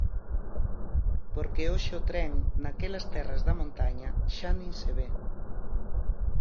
Porque hoxe o tren, naquelas terras da montaña, xa nin se ve.